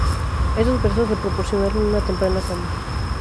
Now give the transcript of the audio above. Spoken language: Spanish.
Estos versos le proporcionaron una temprana fama.